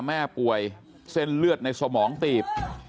แม่ป่วยเส้นเลือดในสมองตีบ